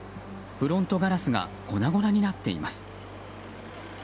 フロントガラスが粉々になっています。